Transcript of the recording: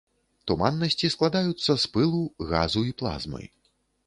Туманнасці складаюцца з пылу, газу і плазмы.